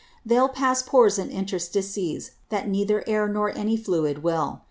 They'll pass Pores and Interstices, that neither Air nor any other Fluid will.